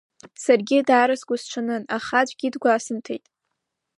Саргьы даара сгәсҽанын, аха аӡәгьы дгәасымҭеит.